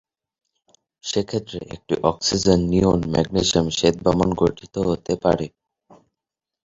সেক্ষেত্রে একটি অক্সিজেন-নিয়ন-ম্যাগনেসিয়াম শ্বেত বামন গঠিত হতে পারে।